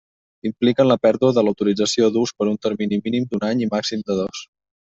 Impliquen la pèrdua de l'autorització d'ús per un termini mínim d'un any i màxim de dos.